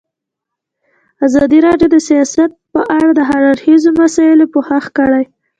ازادي راډیو د سیاست په اړه د هر اړخیزو مسایلو پوښښ کړی.